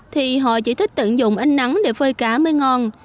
thì họ chỉ thích tận dụng ánh nắng để phơi cá mới ngon